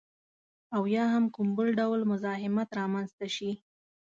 او یا هم کوم بل ډول مزاحمت رامنځته شي